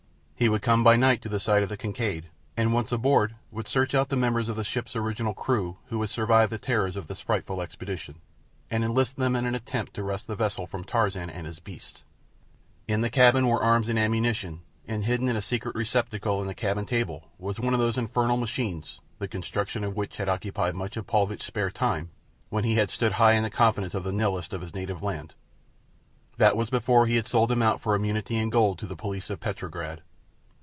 He would come by night to the side of the Kincaid, and once aboard, would search out the members of the ship's original crew who had survived the terrors of this frightful expedition, and enlist them in an attempt to wrest the vessel from Tarzan and his beasts. In the cabin were arms and ammunition, and hidden in a secret receptacle in the cabin table was one of those infernal machines, the construction of which had occupied much of Paulvitch's spare time when he had stood high in the confidence of the Nihilists of his native land. That was before he had sold them out for immunity and gold to the police of Petrograd.